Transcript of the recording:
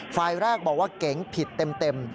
ฝ่ายแรกบอกว่าเก๋งผิดเต็ม